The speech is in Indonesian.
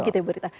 begitu ya burita